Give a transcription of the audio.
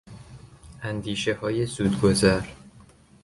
اندیشههای زود گذر